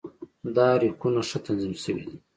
دا ریکونه ښه تنظیم شوي دي.